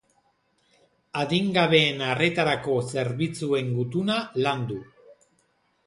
Adingabeen arretarako zerbitzuen gutuna landu.